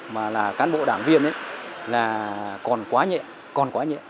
mà là cán bộ đảng viên là còn quá nhẹ còn quá nhẹ